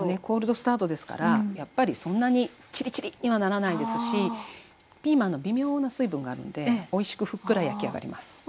コールドスタートですからやっぱりそんなにちりちりにはならないですしピーマンの微妙な水分があるのでおいしくふっくら焼き上がります。